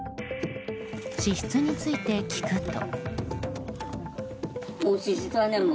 支出について聞くと。